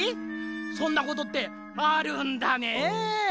そんなことってあるんだねぇ。